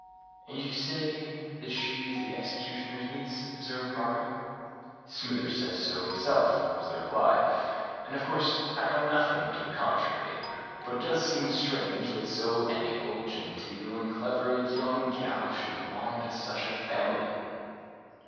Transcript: "And you say that she is the executioner's niece?" observed Markham. "Smithers says so himself," was the reply; "and of course I know nothing to the contrary; but it does seem strange that so amiable, genteel, and clever, a young gal should belong to such a family!"